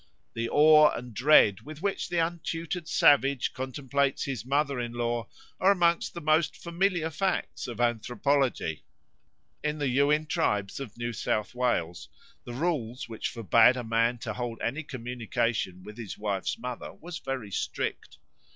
The awe and dread with which the untutored savage contemplates his mother in law are amongst the most familiar facts of anthropology. In the Yuin tribes of New South Wales the rule which forbade a man to hold any communication with his wife's mother was very strict.